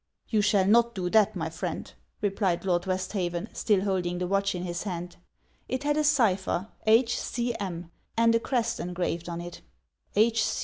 'You shall not do that, my friend,' replied Lord Westhaven, still holding the watch in his hand. It had a cypher, H. C. M. and a crest engraved on it. 'H.